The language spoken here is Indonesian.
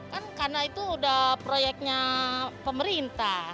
kan karena itu udah proyeknya pemerintah